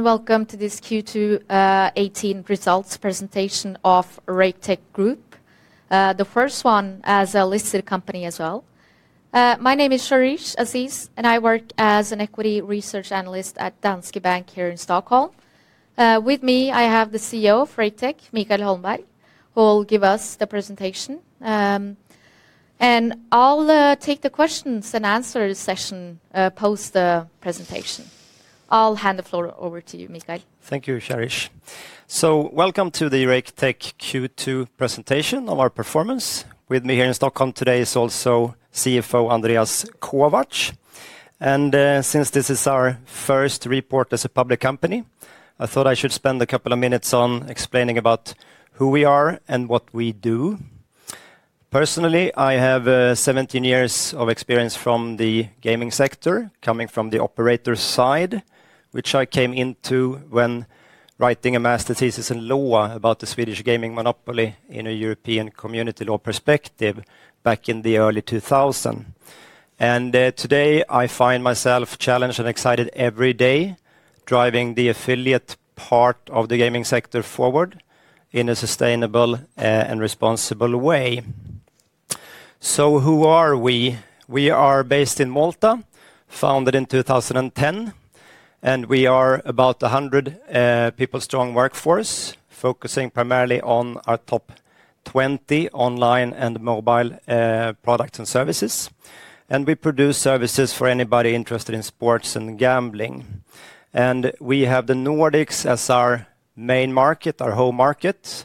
Welcome to this Q2 18 results presentation of Raketech Group. The first one as a listed company as well. My name is Sharish Aziz, and I work as an equity research analyst at Danske Bank here in Stockholm. With me, I have the CEO of Raketech, Michael Holmberg, who will give us the presentation. I'll take the questions and answer session post the presentation. I'll hand the floor over to you, Michael. Thank you, Sharish. Welcome to the Raketech Q2 presentation of our performance. With me here in Stockholm today is also CFO, Andreas Kovacs. Since this is our first report as a public company, I thought I should spend a couple of minutes on explaining about who we are and what we do. Personally, I have 17 years of experience from the gaming sector, coming from the operator side, which I came into when writing a master's thesis in law about the Swedish gaming monopoly in a European community law perspective back in the early 2000. Today, I find myself challenged and excited every day, driving the affiliate part of the gaming sector forward in a sustainable and responsible way. Who are we? We are based in Malta, founded in 2010, and we are about a 100 people strong workforce, focusing primarily on our top 20 online and mobile products and services. We produce services for anybody interested in sports and gambling. We have the Nordics as our main market, our home market,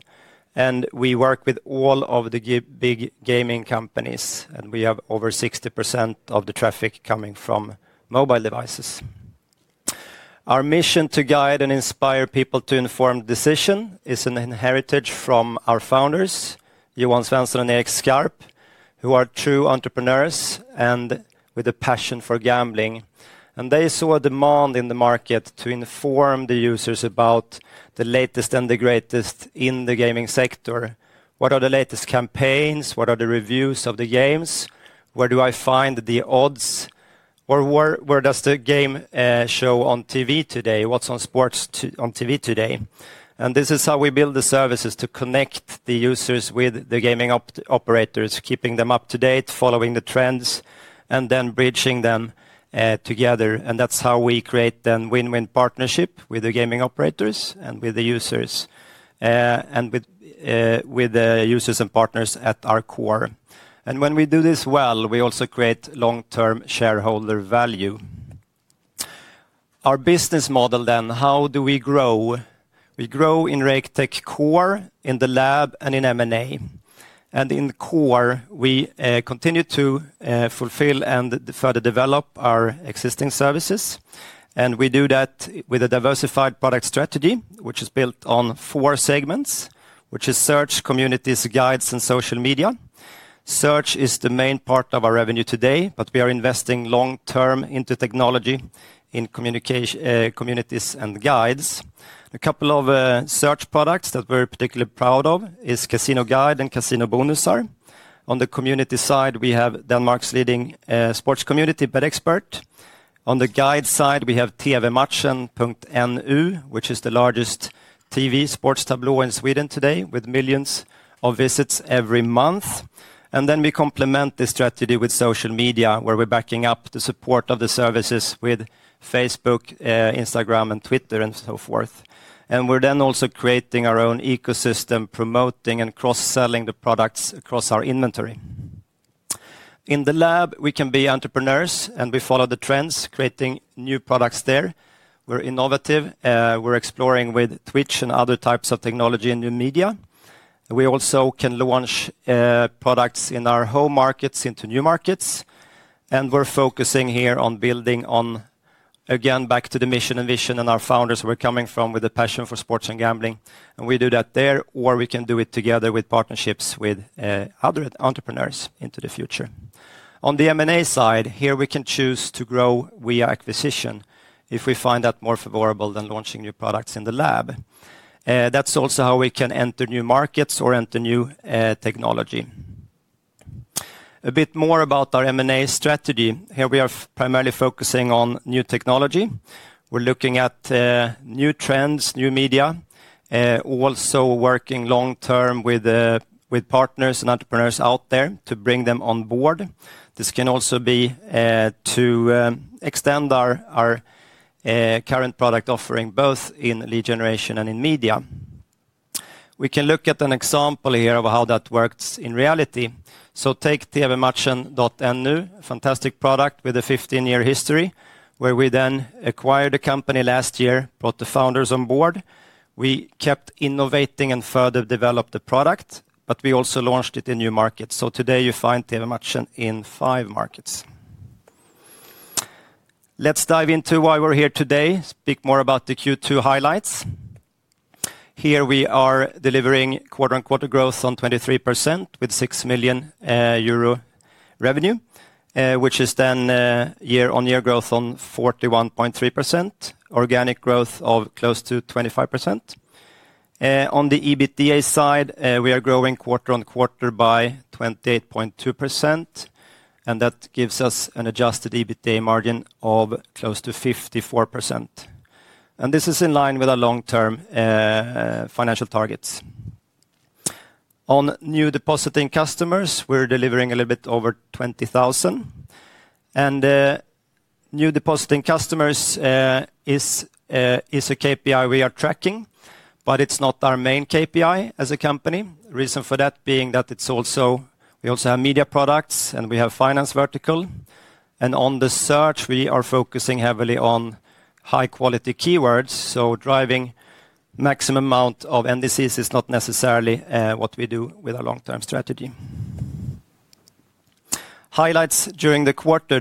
and we work with all of the big gaming companies, and we have over 60% of the traffic coming from mobile devices. Our mission to guide and inspire people to informed decision is an inheritance from our founders, Johan Svensson and Erik Skarp, who are true entrepreneurs and with a passion for gambling. They saw a demand in the market to inform the users about the latest and the greatest in the gaming sector. What are the latest campaigns? What are the reviews of the games? Where do I find the odds? Where does the game show on TV today? What's on sports on TV today? This is how we build the services to connect the users with the gaming operators, keeping them up to date, following the trends, and then bridging them together. That's how we create the win-win partnership with the gaming operators and with the users and with the users and partners at our core. When we do this well, we also create long-term shareholder value. Our business model, then, how do we grow? We grow in Raketech core, in the lab, and in M&A. In core, we continue to fulfill and further develop our existing services. We do that with a diversified product strategy, which is built on four segments, which is search, communities, guides, and social media. Search is the main part of our revenue today, but we are investing long term into technology in communities and guides. A couple of search products that we're particularly proud of is CasinoGuide and CasinoBonusar. On the community side, we have Denmark's leading sports community, BetXpert. On the guide side, we have TVmatchen.nu, which is the largest TV sports tableau in Sweden today, with millions of visits every month. Then we complement this strategy with social media, where we're backing up the support of the services with Facebook, Instagram, and Twitter, and so forth. We're then also creating our own ecosystem, promoting and cross-selling the products across our inventory. In the lab, we can be entrepreneurs, and we follow the trends, creating new products there. We're innovative, we're exploring with Twitch and other types of technology and new media. We also can launch products in our home markets into new markets, and we're focusing here on building on, again, back to the mission and vision and our founders, where we're coming from with a passion for sports and gambling. We do that there, or we can do it together with partnerships with other entrepreneurs into the future. On the M&A side, here we can choose to grow via acquisition if we find that more favorable than launching new products in the lab. That's also how we can enter new markets or enter new technology. A bit more about our M&A strategy. Here we are primarily focusing on new technology. We're looking at new trends, new media, also working long term with partners and entrepreneurs out there to bring them on board. This can also be to extend our current product offering, both in lead generation and in media. We can look at an example here of how that works in reality. Take TVmatchen.nu, fantastic product with a 15-year history, where we then acquired the company last year, brought the founders on board. We kept innovating and further developed the product, but we also launched it in new markets. Today you find TVmatchen in five markets. Let's dive into why we're here today, speak more about the Q2 highlights. Here we are delivering quarter-on-quarter growth on 23% with 6 million euro revenue, which is year-on-year growth on 41.3%, organic growth of close to 25%. On the EBITDA side, we are growing quarter-on-quarter by 28.2%, that gives us an adjusted EBITDA margin of close to 54%. This is in line with our long-term financial targets. On new depositing customers, we're delivering a little bit over 20,000. New depositing customers is a KPI we are tracking, it's not our main KPI as a company. Reason for that being that we also have media products, we have finance vertical. On the search, we are focusing heavily on high-quality keywords, so driving maximum amount of NDCs is not necessarily what we do with our long-term strategy. Highlights during the quarter.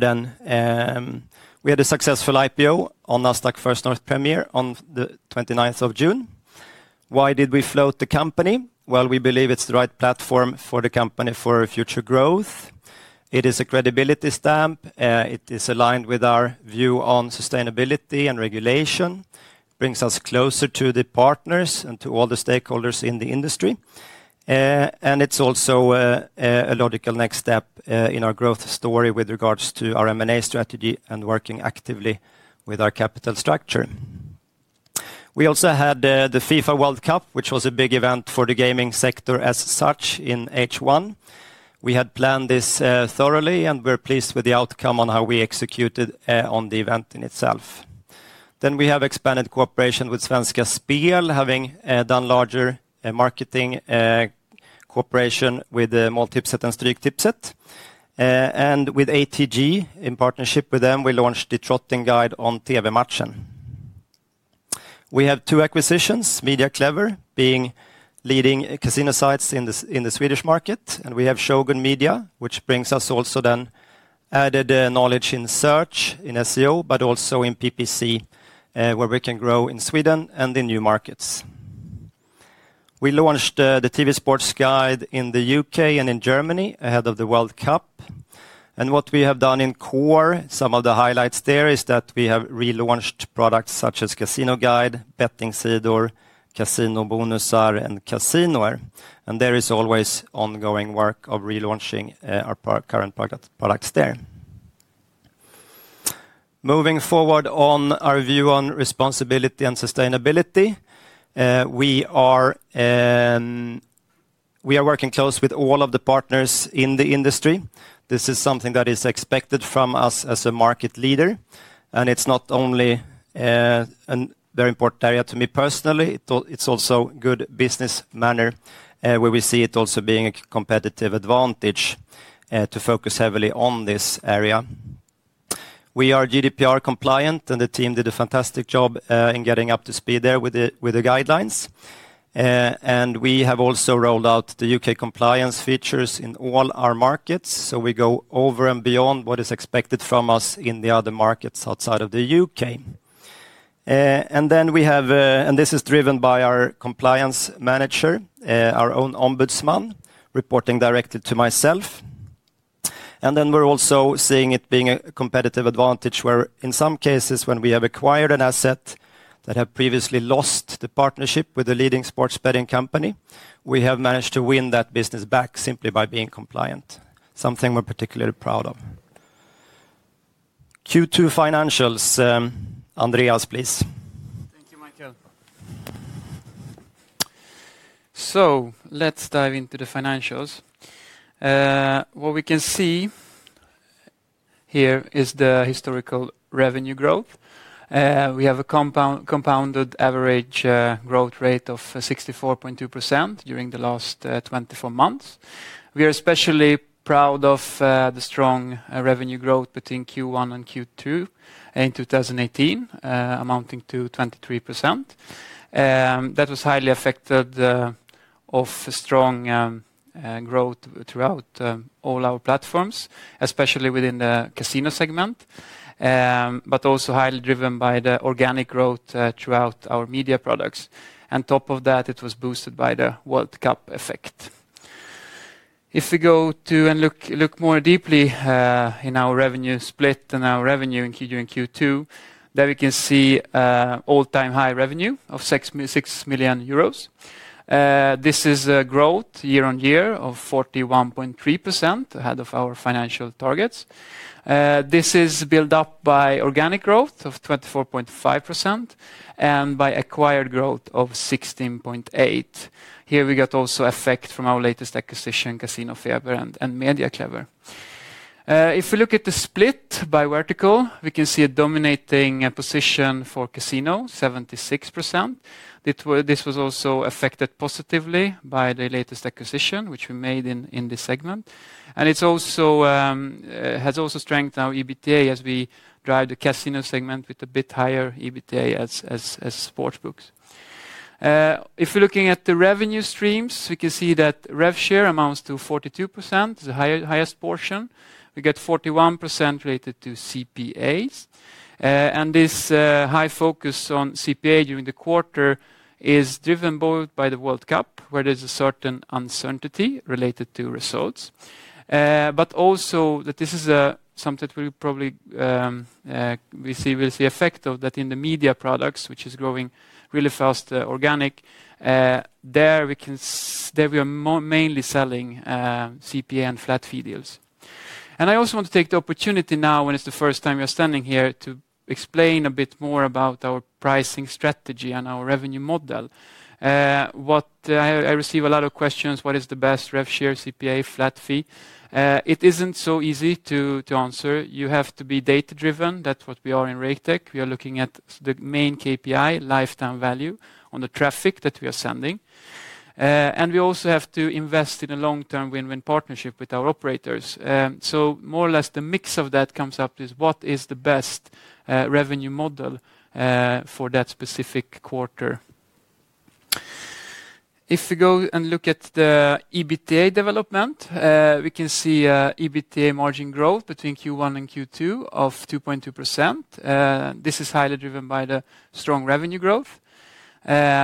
We had a successful IPO on Nasdaq First North Premier on the 29th of June. Why did we float the company? Well, we believe it's the right platform for the company for future growth. It is a credibility stamp. It is aligned with our view on sustainability and regulation, brings us closer to the partners and to all the stakeholders in the industry. It's also a logical next step in our growth story with regards to our M&A strategy and working actively with our capital structure. We also had the FIFA World Cup, which was a big event for the gaming sector as such in H1. We had planned this thoroughly, and we're pleased with the outcome on how we executed on the event in itself. We have expanded cooperation with Svenska Spel, having done larger marketing cooperation with the Multikrysset and Stryktipset. With ATG, in partnership with them, we launched the Trotting Guide on TV-matchen. We have two acquisitions, Mediaclever, being leading casino sites in the Swedish market, and we have Shogun Media, which brings us also then added knowledge in search, in SEO, but also in PPC, where we can grow in Sweden and in new markets. We launched the TVsportguide in the U.K. and in Germany ahead of the World Cup. What we have done in core, some of the highlights there is that we have relaunched products such as CasinoGuide, Bettingsidor, CasinoBonusar, and Casino, and there is always ongoing work of relaunching our current products there. Moving forward on our view on responsibility and sustainability, we are working close with all of the partners in the industry. This is something that is expected from us as a market leader. It's not only a very important area to me personally, it's also good business manner, where we see it also being a competitive advantage to focus heavily on this area. We are GDPR compliant, and the team did a fantastic job in getting up to speed there with the guidelines. We have also rolled out the U.K. compliance features in all our markets, so we go over and beyond what is expected from us in the other markets outside of the U.K. Then we have. This is driven by our compliance manager, our own ombudsman, reporting directly to myself. Then we're also seeing it being a competitive advantage, where in some cases, when we have acquired an asset that have previously lost the partnership with the leading sports betting company, we have managed to win that business back simply by being compliant, something we're particularly proud of. Q2 financials. Andreas, please. Thank you, Michael. Let's dive into the financials. What we can see here is the historical revenue growth. We have a compounded average growth rate of 64.2% during the last 24 months. We are especially proud of the strong revenue growth between Q1 and Q2 in 2018, amounting to 23%. That was highly affected of strong growth throughout all our platforms, especially within the casino segment, but also highly driven by the organic growth throughout our media products. On top of that, it was boosted by the World Cup effect. If we go to and look more deeply in our revenue split and our revenue during Q2, there we can see all-time high revenue of 6 million euros. This is a growth year-on-year of 41.3% ahead of our financial targets. This is built up by organic growth of 24.5% and by acquired growth of 16.8%. Here we got also effect from our latest acquisition, CasinoFeber and Mediaclever. If we look at the split by vertical, we can see a dominating position for casino, 76%. This was also affected positively by the latest acquisition, which we made in this segment. It's also has also strengthened our EBITDA as we drive the casino segment with a bit higher EBITDA as sportsbooks. If we're looking at the revenue streams, we can see that rev share amounts to 42%, the highest portion. We get 41% related to CPAs. And this high focus on CPA during the quarter is driven both by the FIFA World Cup, where there's a certain uncertainty related to results, but also that this is something we probably we see effect of that in the media products, which is growing really fast, organic. There we can there we are more mainly selling CPA and flat fee deals. And I also want to take the opportunity now, when it's the first time we are standing here, to explain a bit more about our pricing strategy and our revenue model. What I receive a lot of questions: What is the best rev share, CPA, flat fee? It isn't so easy to answer. You have to be data-driven. That's what we are in Raketech. We are looking at the main KPI, Lifetime Value, on the traffic that we are sending. We also have to invest in a long-term win-win partnership with our operators. More or less, the mix of that comes up is what is the best revenue model for that specific quarter? If we go and look at the EBITDA development, we can see EBITDA margin growth between Q1 and Q2 of 2.2%. This is highly driven by the strong revenue growth,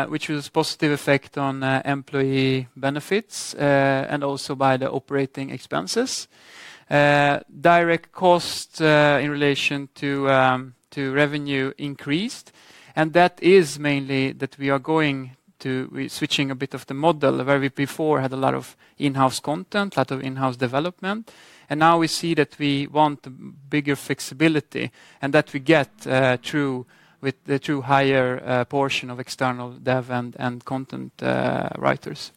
which was positive effect on employee benefits and also by the operating expenses. Direct cost in relation to revenue increased, that is mainly that we're switching a bit of the model, where we before had a lot of in-house content, a lot of in-house development. Now we see that we want bigger flexibility and that we get through, with the two higher portion of external dev and content writers.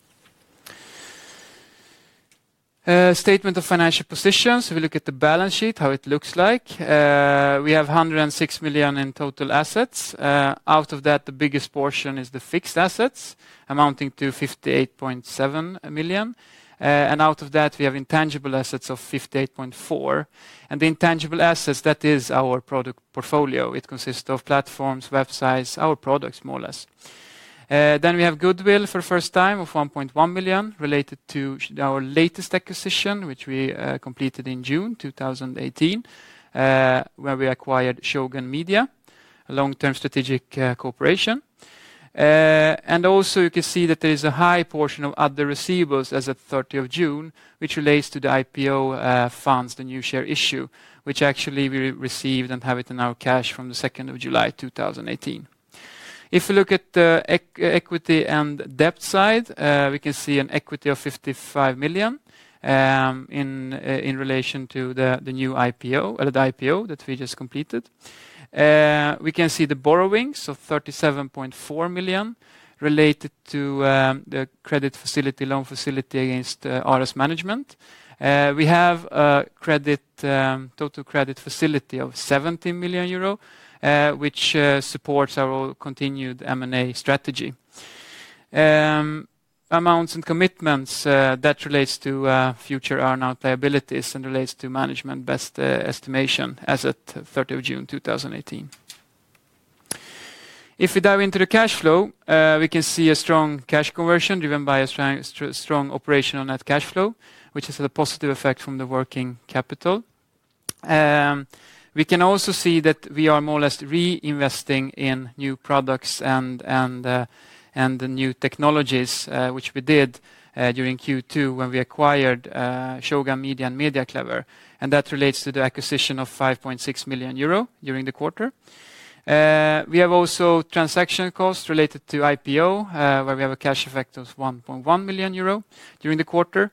Statement of Financial Positions. If we look at the balance sheet, how it looks like, we have 106 million in total assets. Out of that, the biggest portion is the fixed assets, amounting to 58.7 million. Out of that, we have intangible assets of 58.4. The intangible assets, that is our product portfolio. It consists of platforms, websites, our products, more or less. We have goodwill for the first time of 1.1 million, related to our latest acquisition, which we completed in June 2018, where we acquired Shogun Media, a long-term strategic cooperation. Also you can see that there is a high portion of other receivables as at 30 of June, which relates to the IPO funds, the new share issue, which actually we received and have it in our cash from the 2nd of July 2018. If you look at the equity and debt side, we can see an equity of 55 million in relation to the new IPO, or the IPO that we just completed. We can see the borrowings of 37.4 million related to the credit facility, loan facility against Ares Management. We have a total credit facility of 70 million euro, which supports our continued M&A strategy. Amounts and commitments that relates to future earnout liabilities and relates to management best estimation as at third of June 2018. We dive into the cash flow, we can see a strong cash conversion driven by a strong operational net cash flow, which is a positive effect from the working capital. We can also see that we are more or less reinvesting in new products and new technologies, which we did during Q2 when we acquired Shogun Media and Mediaclever, and that relates to the acquisition of 5.6 million euro during the quarter. We have also transaction costs related to IPO, where we have a cash effect of 1.1 million euro during the quarter.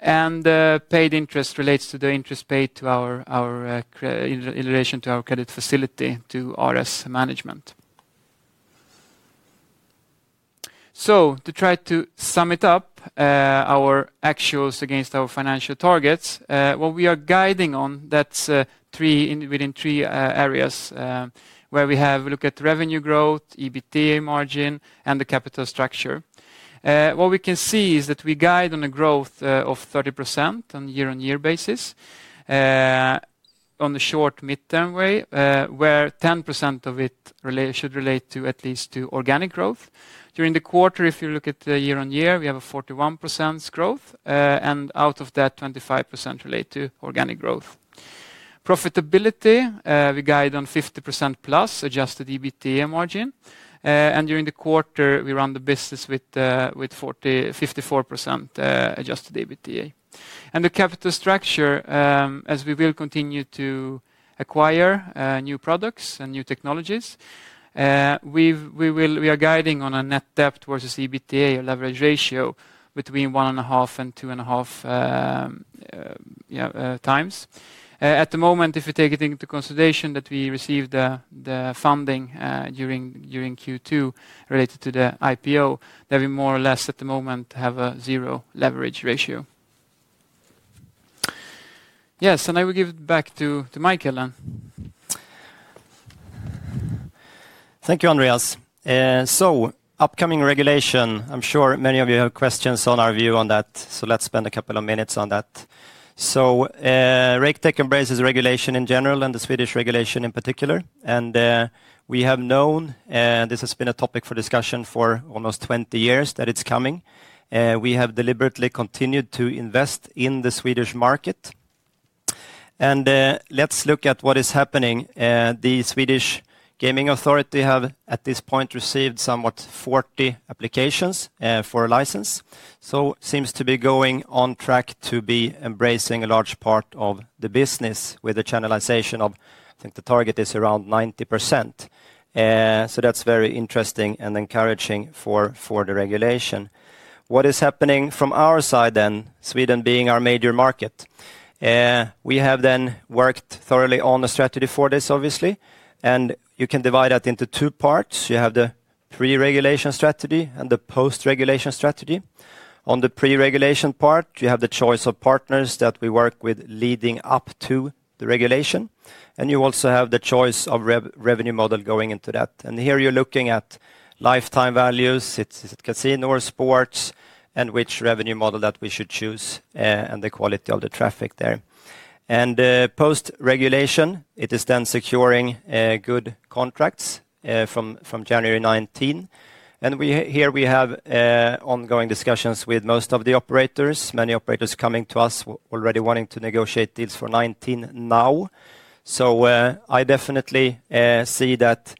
Paid interest relates to the interest paid in relation to our credit facility to Ares Management. To try to sum it up, our actuals against our financial targets, what we are guiding on, that's within three areas, where we have look at revenue growth, EBITDA margin, and the capital structure. What we can see is that we guide on a growth of 30% on year-on-year basis on the short, midterm way, where 10% of it should relate to at least to organic growth. During the quarter, if you look at the year-on-year, we have a 41% growth, and out of that, 25% relate to organic growth. Profitability, we guide on 50% plus adjusted EBITDA margin. During the quarter, we run the business with 40, 54% adjusted EBITDA. The capital structure, as we will continue to acquire new products and new technologies, we are guiding on a net debt towards the EBITDA leverage ratio between 1.5 and 2.5 times. At the moment, if you take it into consideration that we received the funding during Q2 related to the IPO, we more or less at the moment have a zero leverage ratio. I will give it back to Michael. Thank you, Andreas. Upcoming regulation, I'm sure many of you have questions on our view on that, let's spend a couple of minutes on that. Raketech embraces regulation in general and the Swedish regulation in particular. We have known, and this has been a topic for discussion for almost 20 years, that it's coming. We have deliberately continued to invest in the Swedish market. Let's look at what is happening. The Swedish Gambling Authority have, at this point, received somewhat 40 applications for a license. Seems to be going on track to be embracing a large part of the business with the channelization of... I think the target is around 90%. That's very interesting and encouraging for the regulation. What is happening from our side then, Sweden being our major market? We have then worked thoroughly on the strategy for this, obviously. You can divide that into two parts. You have the pre-regulation strategy and the post-regulation strategy. On the pre-regulation part, you have the choice of partners that we work with leading up to the regulation, and you also have the choice of revenue model going into that. Here you're looking at lifetime values. It's, is it casino or sports, and which revenue model that we should choose, and the quality of the traffic there. Post-regulation, it is then securing good contracts from January 2019. Here we have ongoing discussions with most of the operators, many operators coming to us already wanting to negotiate deals for 2019 now. I definitely, see that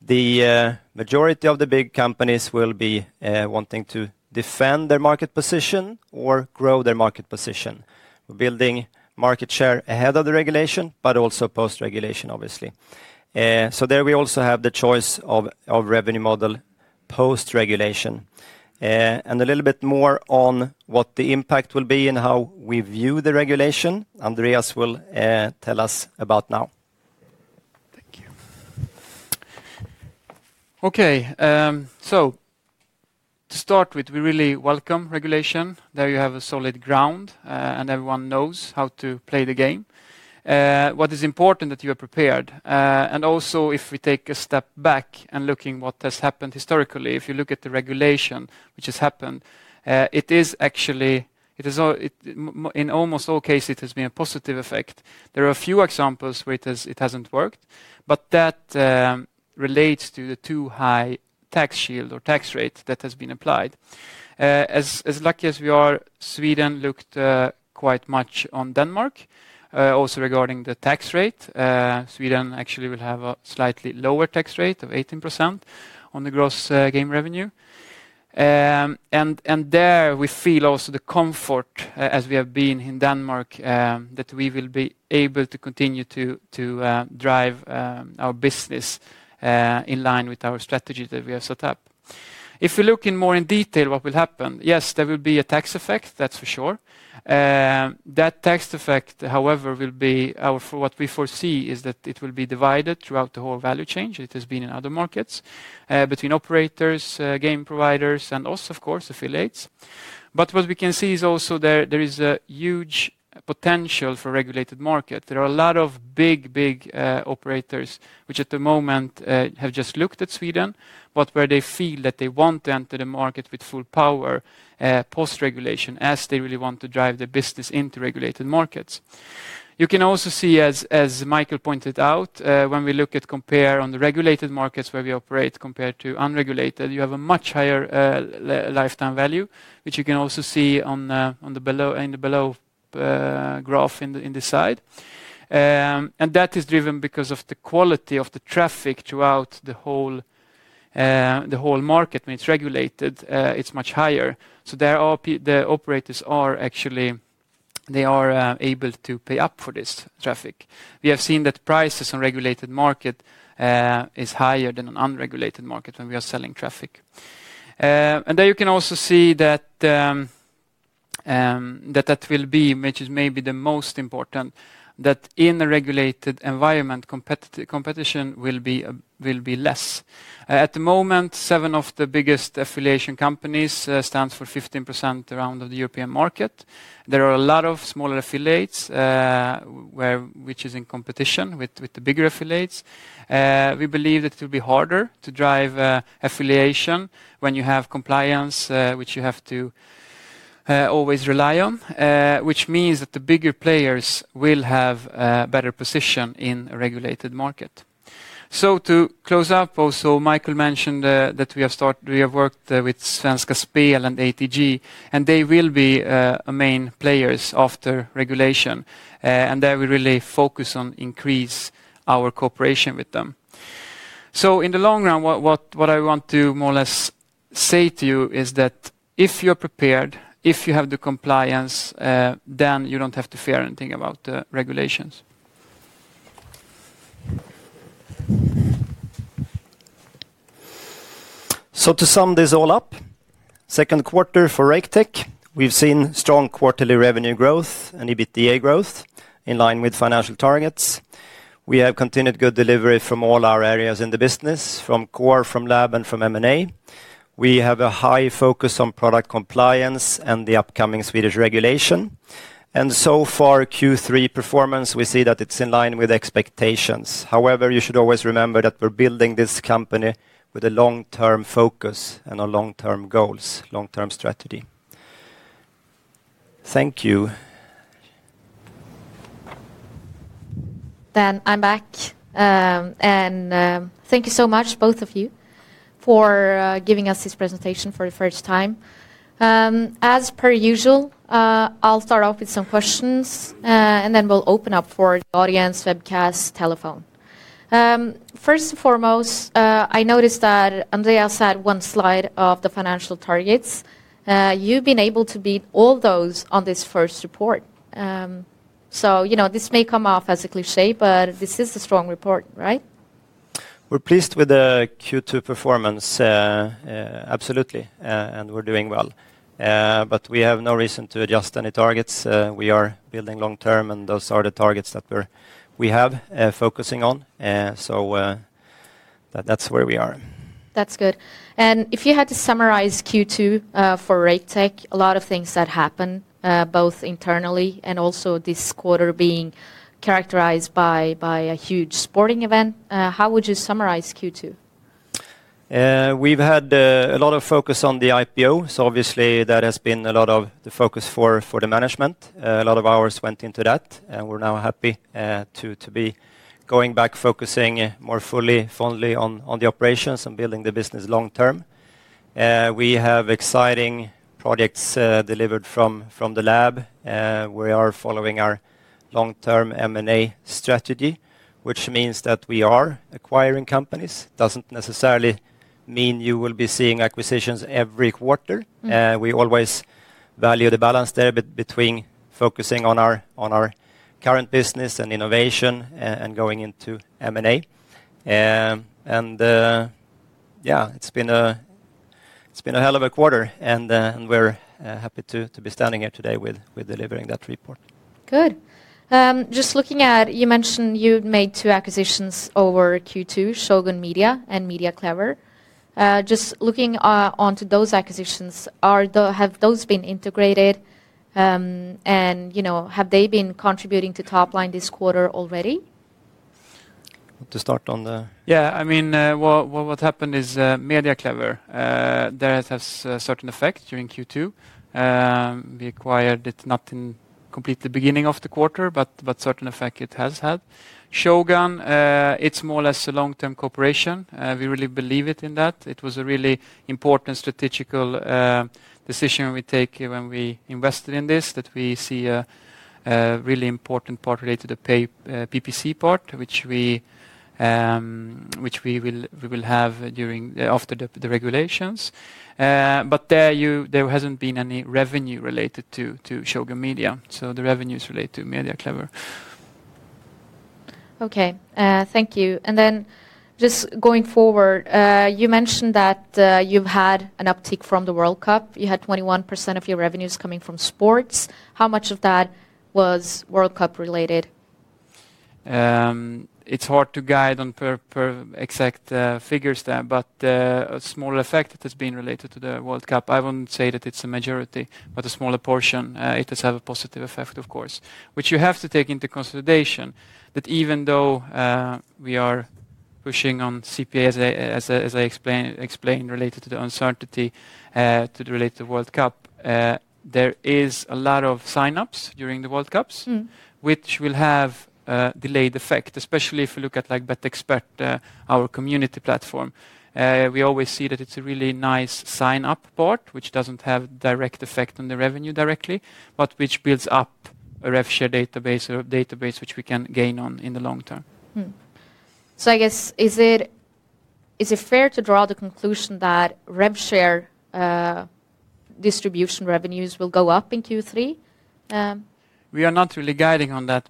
the, majority of the big companies will be, wanting to defend their market position or grow their market position, building market share ahead of the regulation, but also post-regulation, obviously. There we also have the choice of revenue model post-regulation. A little bit more on what the impact will be and how we view the regulation, Andreas will, tell us about now. Thank you. Okay, to start with, we really welcome regulation. There you have a solid ground, everyone knows how to play the game. What is important that you are prepared. Also, if we take a step back and looking what has happened historically, if you look at the regulation which has happened, it is actually in almost all cases, it has been a positive effect. There are a few examples where it hasn't worked, that relates to the too high tax shield or tax rate that has been applied. As lucky as we are, Sweden looked quite much on Denmark also regarding the tax rate. Sweden actually will have a slightly lower tax rate of 18% on the gross game revenue. There we feel also the comfort as we have been in Denmark, that we will be able to continue to drive our business in line with our strategy that we have set up. If you look in more in detail, what will happen? Yes, there will be a tax effect, that's for sure. That tax effect, however, will be for what we foresee is that it will be divided throughout the whole value chain, it has been in other markets, between operators, game providers, and also, of course, affiliates. What we can see is also there is a huge potential for regulated market. There are a lot of big operators, which at the moment have just looked at Sweden, but where they feel that they want to enter the market with full power post-regulation, as they really want to drive their business into regulated markets. You can also see as Michael pointed out when we look at compare on the regulated markets where we operate compared to unregulated, you have a much higher Lifetime Value, which you can also see on the, on the below, in the below graph in the, in this side. That is driven because of the quality of the traffic throughout the whole market. When it's regulated, it's much higher. The operators are actually able to pay up for this traffic. We have seen that prices on regulated market is higher than an unregulated market when we are selling traffic. There you can also see that that that will be, which is maybe the most important, that in a regulated environment, competition will be less. At the moment, seven of the biggest affiliation companies stands for 15% around of the European market. There are a lot of smaller affiliates which is in competition with the bigger affiliates. We believe that it will be harder to drive affiliation when you have compliance, which you have to always rely on, which means that the bigger players will have a better position in a regulated market. To close out, also, Michael mentioned, that we have worked with Svenska Spel and ATG, and they will be a main players after regulation, and that we really focus on increase our cooperation with them. In the long run, what I want to more or less say to you is that if you're prepared, if you have the compliance, then you don't have to fear anything about the regulations. To sum this all up, second quarter for Raketech, we've seen strong quarterly revenue growth and EBITDA growth in line with financial targets. We have continued good delivery from all our areas in the business, from core, from lab, and from M&A. We have a high focus on product compliance and the upcoming Swedish regulation, so far, Q3 performance, we see that it's in line with expectations. However, you should always remember that we're building this company with a long-term focus and our long-term goals, long-term strategy. Thank you. I'm back. Thank you so much, both of you, for giving us this presentation for the first time. As per usual, I'll start off with some questions, and then we'll open up for audience webcast, telephone. First and foremost, I noticed that Andreas had one slide of the financial targets. You've been able to beat all those on this first report. You know, this may come off as a cliché, but this is a strong report, right? We're pleased with the Q2 performance, absolutely, and we're doing well. We have no reason to adjust any targets. We are building long term, and those are the targets that we have focusing on. That's where we are. That's good. If you had to summarize Q2 for Raketech, a lot of things that happened, both internally and also this quarter being characterized by a huge sporting event, how would you summarize Q2? We've had a lot of focus on the IPO, obviously, that has been a lot of the focus for the management. A lot of hours went into that, we're now happy to be going back, focusing more fully on the operations and building the business long term. We have exciting projects delivered from the lab. We are following our long-term M&A strategy, which means that we are acquiring companies. Doesn't necessarily mean you will be seeing acquisitions every quarter. Mm. We always value the balance there between focusing on our current business and innovation, and going into M&A. Yeah, it's been a hell of a quarter, and we're happy to be standing here today with delivering that report. Good. You mentioned you'd made two acquisitions over Q2, Shogun Media and Mediaclever. Just looking onto those acquisitions, Have those been integrated, and, you know, have they been contributing to top line this quarter already? To start on the. Well, what happened is, Mediaclever, that has a certain effect during Q2. We acquired it not in complete the beginning of the quarter, but certain effect it has had. Shogun, it's more or less a long-term cooperation. We really believe it in that. It was a really important strategical decision we take when we invested in this, that we see a really important part related to pay PPC part, which we will have during after the regulations. There hasn't been any revenue related to Shogun Media, so the revenues relate to Mediaclever. Okay, thank you. Just going forward, you mentioned that, you've had an uptick from the World Cup. You had 21% of your revenues coming from sports. How much of that was World Cup related? It's hard to guide on per exact figures there, but a small effect that has been related to the World Cup, I wouldn't say that it's a majority, but a smaller portion. It does have a positive effect, of course, which you have to take into consideration, that even though we are pushing on CPA, as I explained related to the uncertainty, to the related World Cup, there is a lot of sign-ups during the World Cup. Mm-hmm. Which will have a delayed effect, especially if you look at, like, BetXpert.com, our community platform. We always see that it's a really nice sign-up part, which doesn't have direct effect on the revenue directly, but which builds up a rev share database or a database which we can gain on in the long term. I guess, is it fair to draw the conclusion that rev share, distribution revenues will go up in Q3? We are not really guiding on that,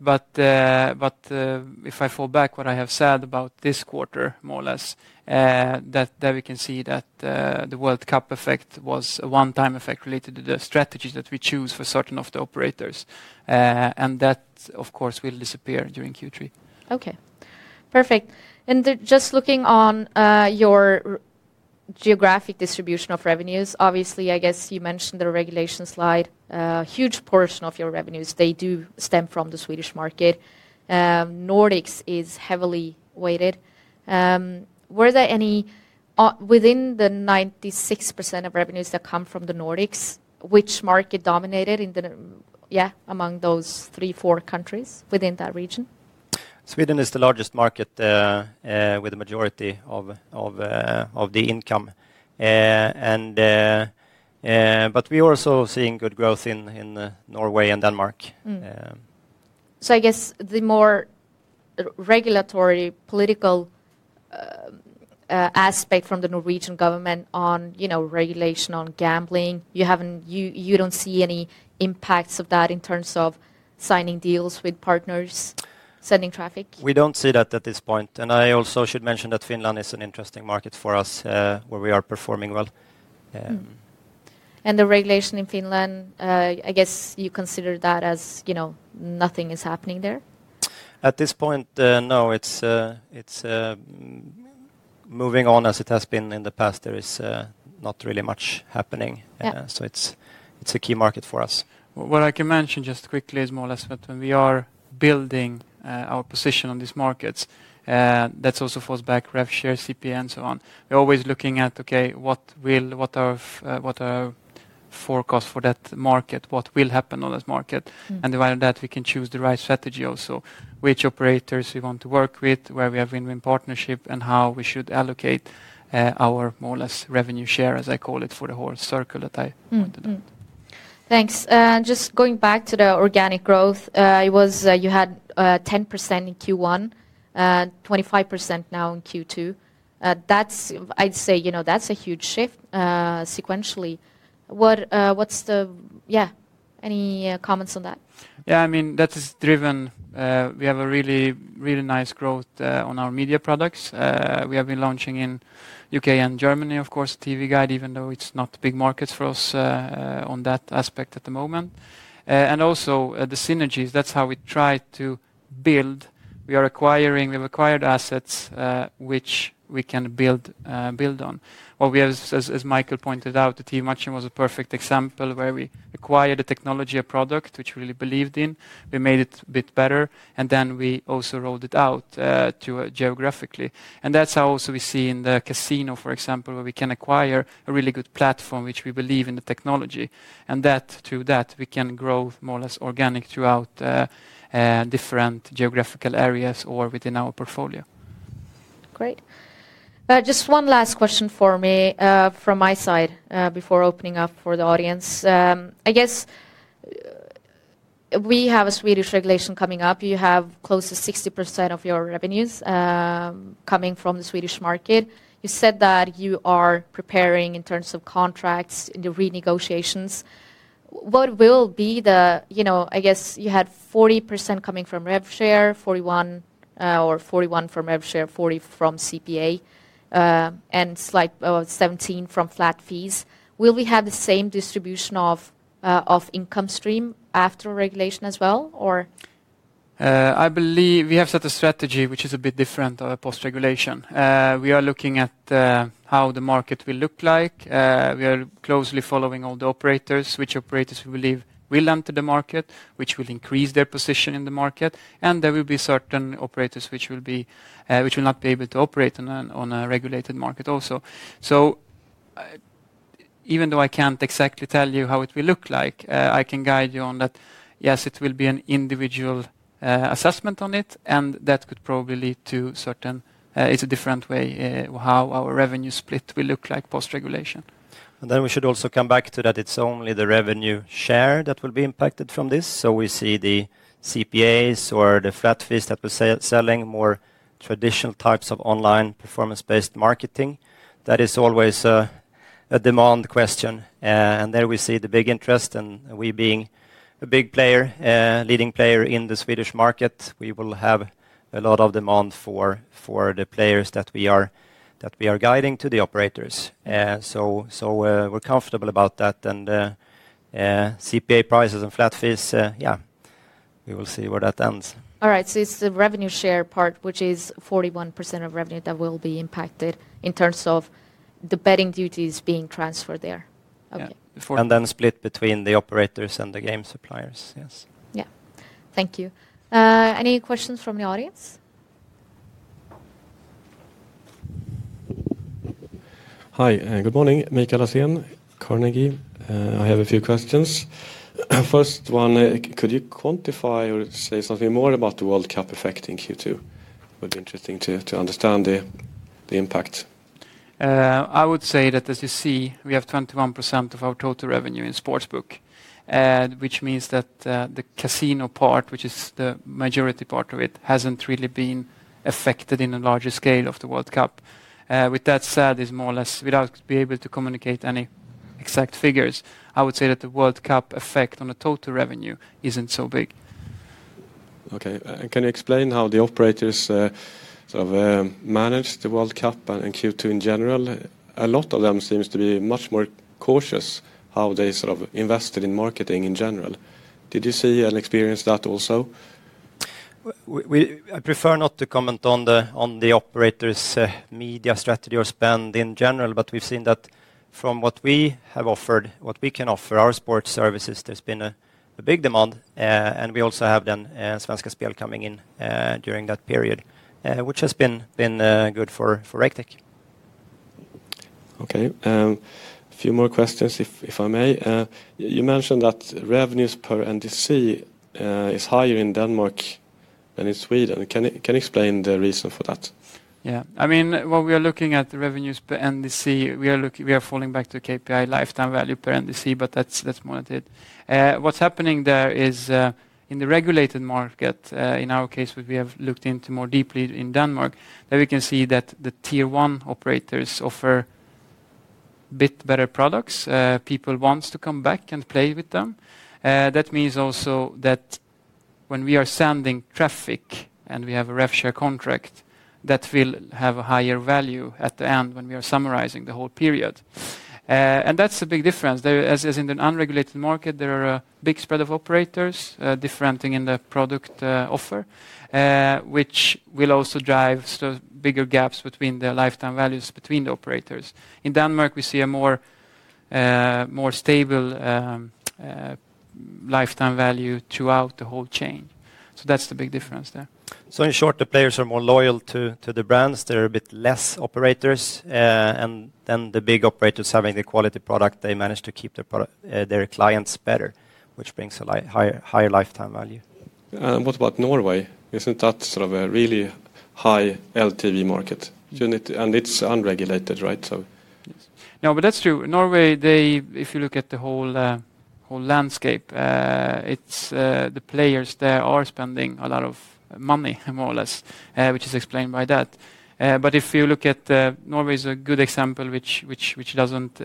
if I fall back, what I have said about this quarter, more or less, that there we can see that the World Cup effect was a one-time effect related to the strategies that we choose for certain of the operators. That, of course, will disappear during Q3. Just looking on your geographic distribution of revenues. Obviously, I guess you mentioned the regulation slide, a huge portion of your revenues, they do stem from the Swedish market. Nordics is heavily weighted. Were there any within the 96% of revenues that come from the Nordics, which market dominated in the three, four countries within that region? Sweden is the largest market, with the majority of the income. We are also seeing good growth in Norway and Denmark. Mm. Yeah. I guess the more regulatory, political, aspect from the Norwegian government on, you know, regulation on gambling, you don't see any impacts of that in terms of signing deals with partners, sending traffic? We don't see that at this point. I also should mention that Finland is an interesting market for us, where we are performing well. The regulation in Finland, I guess you consider that as, you know, nothing is happening there? At this point, no, it's moving on as it has been in the past. There is not really much happening. Yeah. It's a key market for us. What I can mention just quickly is more or less, when we are building, our position on these markets, that also falls back, rev share, CPA, and so on. We're always looking at, okay, what are forecasts for that market? What will happen on this market? Mm. While that, we can choose the right strategy also, which operators we want to work with, where we have win-win partnership, and how we should allocate our more or less revenue share, as I call it, for the whole circle. Thanks. Just going back to the organic growth, it was, you had 10% in Q1, 25% now in Q2. I'd say, you know, that's a huge shift, sequentially. What, what's the... Yeah, any comments on that? Yeah, I mean, that is driven. We have a really, really nice growth on our media products. We have been launching in U.K. and Germany, of course, TV Guide, even though it's not big markets for us on that aspect at the moment. The synergies, that's how we. Build, we are acquiring, we've acquired assets, which we can build on. We as Michael pointed out, the TVmatchen was a perfect example where we acquired a technology, a product which we really believed in. We made it a bit better, then we also rolled it out, to geographically. That's how also we see in the casino, for example, where we can acquire a really good platform, which we believe in the technology, and that through that, we can grow more or less organic throughout, different geographical areas or within our portfolio. Great. Just one last question for me, from my side, before opening up for the audience. I guess we have a Swedish regulation coming up. You have close to 60% of your revenues coming from the Swedish market. You said that you are preparing in terms of contracts, the renegotiations. What will be, you know, I guess you had 40% coming from rev share, 41 from rev share, 40 from CPA, and slight 17 from flat fees. Will we have the same distribution of income stream after regulation as well? I believe we have set a strategy which is a bit different post-regulation. We are looking at how the market will look like. We are closely following all the operators, which operators we believe will enter the market, which will increase their position in the market, and there will be certain operators which will be which will not be able to operate on a regulated market also. Even though I can't exactly tell you how it will look like, I can guide you on that, yes, it will be an individual assessment on it, and that could probably lead to certain. It's a different way how our revenue split will look like post-regulation. We should also come back to that it's only the revenue share that will be impacted from this. We see the CPAs or the flat fees that we're selling, more traditional types of online performance-based marketing. That is always a demand question, and there we see the big interest, and we being a big player, leading player in the Swedish market, we will have a lot of demand for the players that we are guiding to the operators. So we're comfortable about that, and CPA prices and flat fees, yeah, we will see where that ends. All right, it's the revenue share part, which is 41% of revenue that will be impacted in terms of the betting duties being transferred there? Okay. Yeah. Before. Split between the operators and the game suppliers. Yes. Yeah. Thank you. Any questions from the audience? Hi, good morning. Mikael Laséen, Carnegie. I have a few questions. First one, could you quantify or say something more about the World Cup effect in Q2? Would be interesting to understand the impact. I would say that as you see, we have 21% of our total revenue in sportsbook, which means that the casino part, which is the majority part of it, hasn't really been affected in a larger scale of the World Cup. With that said, is more or less without being able to communicate any exact figures, I would say that the World Cup effect on the total revenue isn't so big. Can you explain how the operators, sort of, managed the World Cup and Q2 in general? A lot of them seems to be much more cautious how they sort of invested in marketing in general. Did you see and experience that also? I prefer not to comment on the operators', media strategy or spend in general, we've seen that from what we have offered, what we can offer, our sports services, there's been a big demand. We also have then Svenska Spel coming in during that period, which has been good for Raketech. Okay, a few more questions, if I may. You mentioned that revenues per NDC is higher in Denmark than in Sweden. Can you explain the reason for that? Yeah. I mean, what we are looking at the revenues per NDC, we are falling back to KPI Lifetime Value per NDC, that's more that it. What's happening there is, in the regulated market, in our case, we have looked into more deeply in Denmark, there we can see that the Tier 1 operators offer bit better products. People wants to come back and play with them. That means also that when we are sending traffic and we have a rev share contract, that will have a higher value at the end when we are summarizing the whole period. That's a big difference. There, as in an unregulated market, there are a big spread of operators, differentiating in the product, offer, which will also drive sort of bigger gaps between the Lifetime Values between the operators. In Denmark, we see a more, more stable, Lifetime Value throughout the whole chain. That's the big difference there. In short, the players are more loyal to the brands. There are a bit less operators, and then the big operators having the quality product, they manage to keep their clients better, which brings a higher Lifetime Value. What about Norway? Isn't that sort of a really high LTV market? It's unregulated, right? Yes. No, that's true. Norway, they, if you look at the whole whole landscape, it's the players there are spending a lot of money, more or less, which is explained by that. If you look at Norway is a good example, which doesn't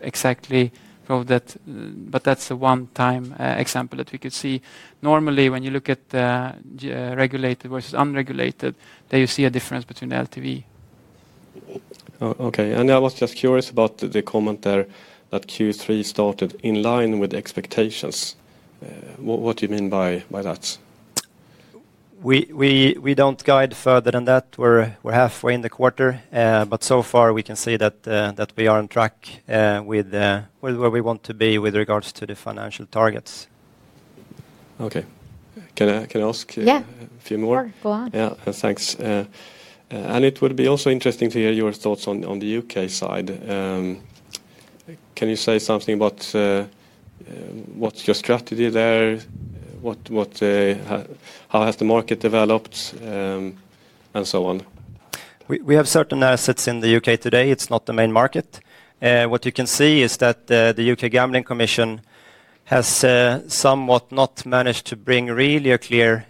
exactly prove that. That's a one-time example that we could see. Normally, when you look at the regulated versus unregulated, there you see a difference between the LTV. Oh, okay. I was just curious about the comment there that Q3 started in line with expectations. What do you mean by that? We don't guide further than that. We're halfway in the quarter. so far we can say that we are on track with where we want to be with regards to the financial targets. Okay. Can I ask? Yeah. A few more? Sure, go on. Yeah, thanks. It would be also interesting to hear your thoughts on the U.K. side. Can you say something about what's your strategy there? What how has the market developed, and so on? We have certain assets in the U.K. today. It's not the main market. What you can see is that the U.K. Gambling Commission has somewhat not managed to bring really a clear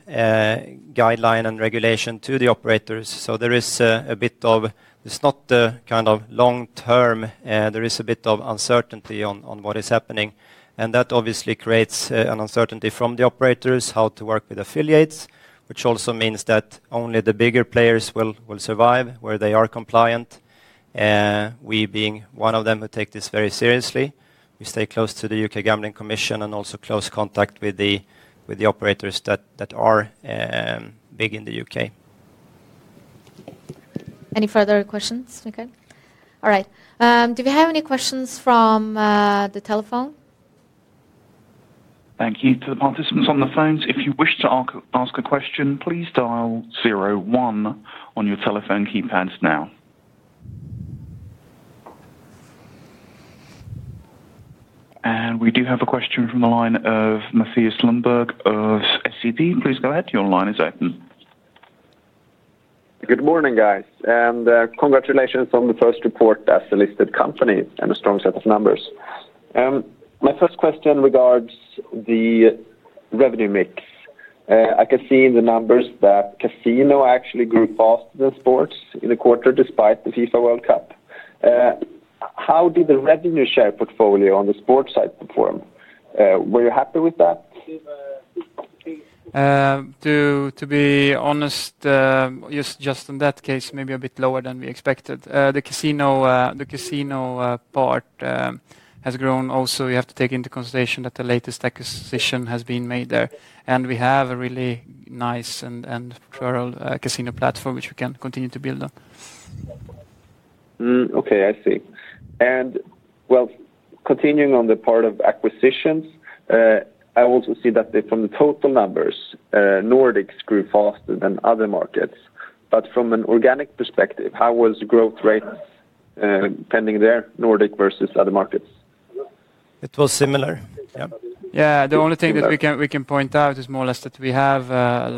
guideline and regulation to the operators. There is a bit of it's not the kind of long term, there is a bit of uncertainty on what is happening, and that obviously creates an uncertainty from the operators, how to work with affiliates, which also means that only the bigger players will survive where they are compliant, we being one of them who take this very seriously. We stay close to the U.K. Gambling Commission and also close contact with the operators that are big in the U.K. Any further questions? Okay. All right. Do we have any questions from the telephone? Thank you to the participants on the phones. If you wish to ask a question, please dial zero-one on your telephone keypads now. We do have a question from the line of Mathias Lundberg of SEB. Please go ahead. Your line is open. Good morning, guys, and congratulations on the first report as a listed company and a strong set of numbers. My first question regards the revenue mix. I can see in the numbers that casino actually grew faster than sports in the quarter, despite the FIFA World Cup. How did the revenue share portfolio on the sports side perform? Were you happy with that? To be honest, just in that case, maybe a bit lower than we expected. The casino part has grown. We have to take into consideration that the latest acquisition has been made there, and we have a really nice and thorough casino platform, which we can continue to build on. Okay, I see. Well, continuing on the part of acquisitions, I also see that from the total numbers, Nordics grew faster than other markets. From an organic perspective, how was the growth rate pending there, Nordic versus other markets? It was similar. Yeah. The only thing that we can point out is more or less that we have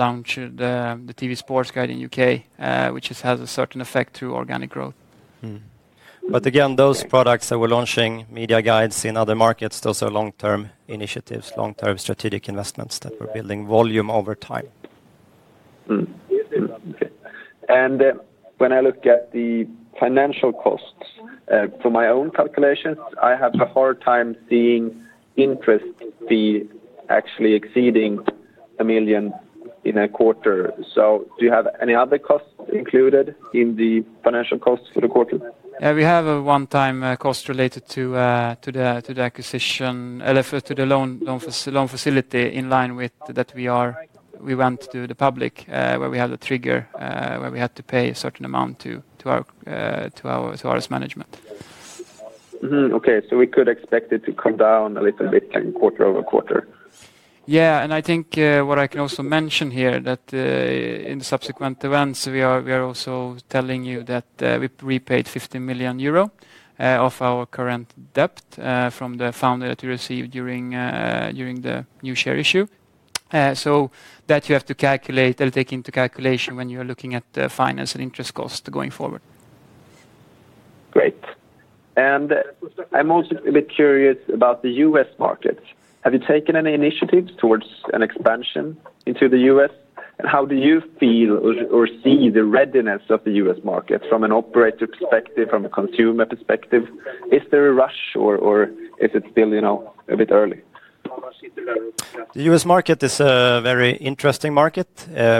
launched the TVsportguide in U.K., which has had a certain effect through organic growth. Mm-hmm. Again, those products that we're launching, media guides in other markets, those are long-term initiatives, long-term strategic investments that we're building volume over time. When I look at the financial costs, for my own calculations, I have a hard time seeing interest fee actually exceeding 1 million in a quarter. Do you have any other costs included in the financial costs for the quarter? Yeah, we have a one-time cost related to the acquisition, to the loan facility in line with that we went to the public, where we have the trigger, where we had to pay a certain amount to our management. Mm-hmm. Okay, we could expect it to come down a little bit in quarter-over-quarter? I think, what I can also mention here that, in the subsequent events, we are also telling you that, we prepaid 50 million euro of our current debt from the founder that we received during the new share issue. That you have to calculate or take into calculation when you are looking at the finance and interest costs going forward. Great. I'm also a bit curious about the U.S. market. Have you taken any initiatives towards an expansion into the U.S.? How do you feel or see the readiness of the U.S. market from an operator perspective, from a consumer perspective? Is there a rush, or is it still, you know, a bit early? The U.S. market is a very interesting market,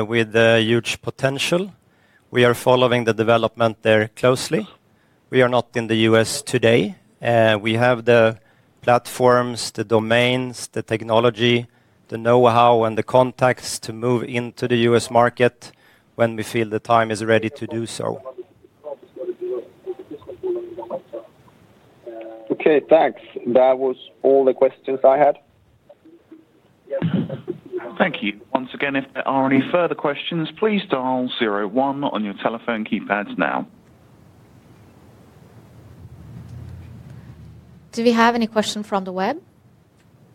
with a huge potential. We are following the development there closely. We are not in the U.S. today. We have the platforms, the domains, the technology, the know-how, and the contacts to move into the U.S. market when we feel the time is ready to do so. Okay, thanks. That was all the questions I had. Thank you. Once again, if there are any further questions, please dial zero-one on your telephone keypads now. Do we have any question from the web?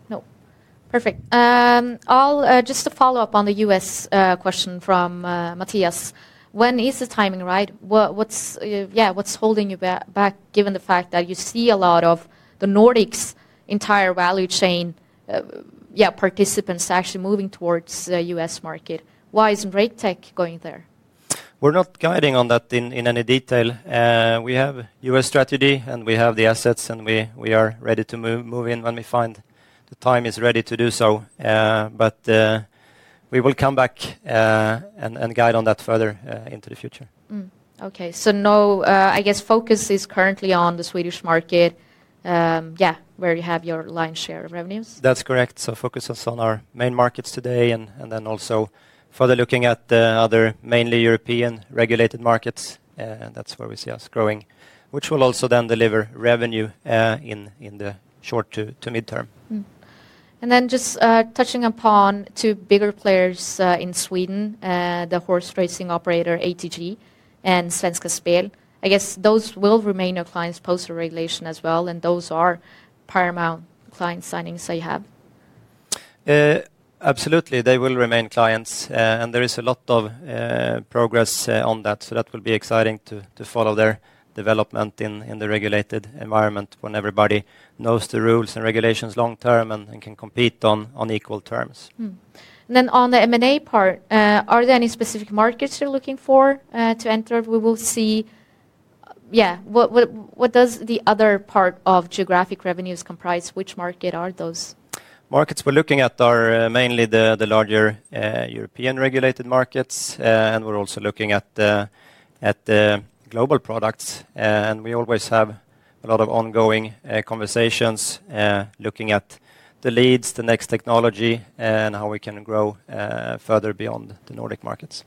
No. Perfect. I'll just to follow up on the U.S. question from Mathias, when is the timing right? What's holding you back, given the fact that you see a lot of the Nordics' entire value chain, participants actually moving towards the U.S. market? Why isn't Raketech going there? We're not guiding on that in any detail. We have U.S. strategy, and we have the assets, and we are ready to move in when we find the time is ready to do so. We will come back and guide on that further into the future. Okay, no, I guess focus is currently on the Swedish market, yeah, where you have your lion's share of revenues? That's correct. Focus us on our main markets today, and then also further looking at the other mainly European regulated markets, and that's where we see us growing, which will also then deliver revenue, in the short to midterm. Just touching upon two bigger players in Sweden, the horse racing operator, ATG, and Svenska Spel. I guess those will remain our clients post-regulation as well, and those are paramount client signings that you have. Absolutely, they will remain clients. There is a lot of progress on that. That will be exciting to follow their development in the regulated environment when everybody knows the rules and regulations long term and can compete on equal terms. On the M&A part, are there any specific markets you're looking for to enter? We will see. Yeah. What does the other part of geographic revenues comprise? Which market are those? Markets we're looking at are, mainly the larger, European regulated markets. We're also looking at the, at the global products, and we always have a lot of ongoing, conversations, looking at the leads, the next technology, and how we can grow, further beyond the Nordic Markets.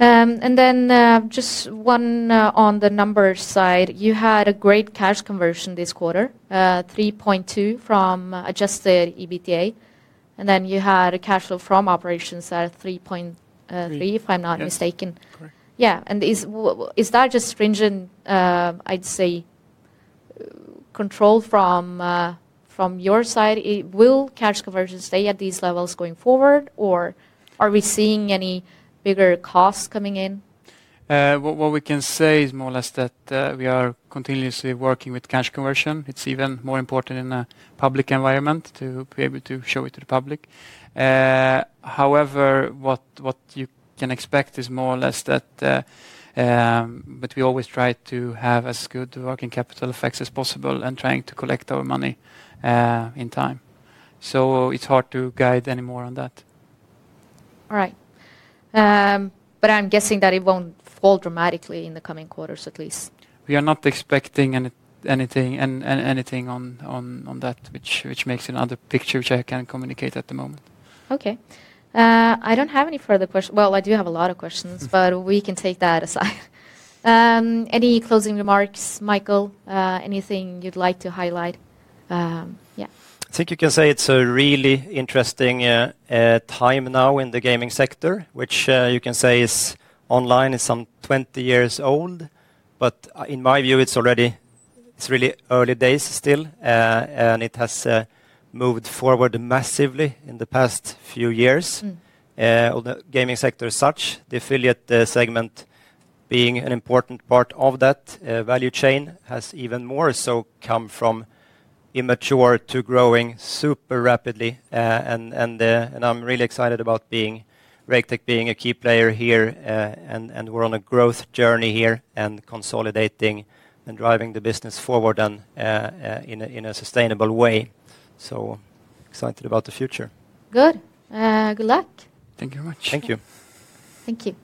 Yeah. Just one, on the numbers side, you had a great cash conversion this quarter, 3.2 from adjusted EBITDA, and then you had a cash flow from operations at 3.3. Three if I'm not mistaken. Yes, correct. Yeah. Is that just stringent, I'd say, control from your side? Will cash conversion stay at these levels going forward, or are we seeing any bigger costs coming in? What we can say is more or less that, we are continuously working with cash conversion. It's even more important in a public environment to be able to show it to the public. However, what you can expect is more or less that, we always try to have as good working capital effects as possible and trying to collect our money, in time. It's hard to guide any more on that. All right. I'm guessing that it won't fall dramatically in the coming quarters, at least. We are not expecting anything on that, which makes another picture, which I can't communicate at the moment. Okay. I do have a lot of questions. Mm-hmm. We can take that aside. Any closing remarks, Michael? Anything you'd like to highlight? I think you can say it's a really interesting time now in the gaming sector, which you can say is online, is some 20 years old. In my view, it's really early days still, and it has moved forward massively in the past few years. Mm. Well, the gaming sector as such, the affiliate segment being an important part of that value chain, has even more so come from immature to growing super rapidly. I'm really excited about Raketech being a key player here, and we're on a growth journey here and consolidating and driving the business forward and in a sustainable way. Excited about the future. Good. Good luck. Thank you very much. Thank you. Thank you.